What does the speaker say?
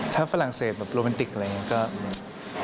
ถ้าฝรั่งเศสแบบโรแมนติกอะไรอย่างนี้ก็มี